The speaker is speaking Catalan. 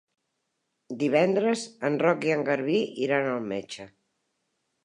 Divendres en Roc i en Garbí iran al metge.